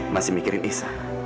masih mikirin is